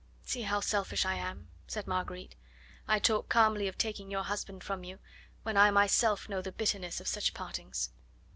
"See how selfish I am," said Marguerite. "I talk calmly of taking your husband from you, when I myself know the bitterness of such partings."